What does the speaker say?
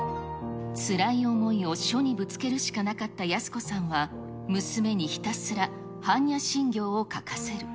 つらい思いを書にぶつけるしかなかった泰子さんは、娘にひたすら、般若心経を書かせる。